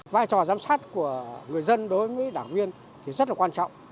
vai trò giám sát của người dân đối với đảng viên thì rất là quan trọng